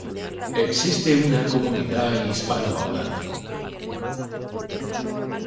Existe una comunidad hispanohablante.